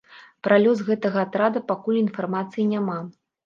Пра лёс гэтага атрада пакуль інфармацыі няма.